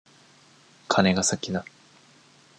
カネが先だ。